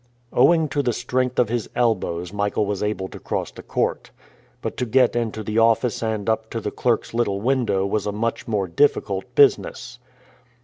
Owing to the strength of his elbows Michael was able to cross the court. But to get into the office and up to the clerk's little window was a much more difficult business.